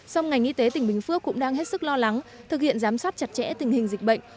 song ngành y tế tỉnh bình phước cũng đang hết sức lo lắng thực hiện giám sát chặt chẽ tình hình dịch bệnh